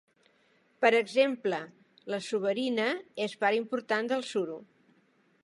Per exemple, la suberina és part important del suro.